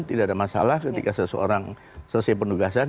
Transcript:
tidak ada masalah ketika seseorang selesai penugasan